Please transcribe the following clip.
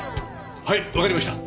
はいわかりました。